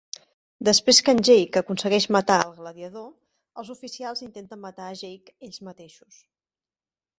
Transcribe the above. Després que en Jake aconsegueix matar el gladiador, els oficials intenten matar a Jake ells mateixos.